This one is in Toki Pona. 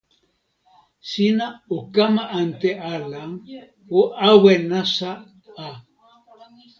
sina o kama ante ala. o awen nasa a!